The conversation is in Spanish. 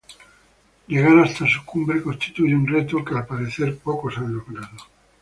Llegar hasta su cumbre constituye un reto que al parecer pocos han logrado.